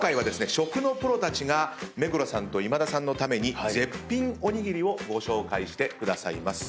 食のプロたちが目黒さんと今田さんのために絶品おにぎりをご紹介してくださいます。